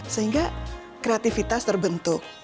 sehingga kreativitas terbentuk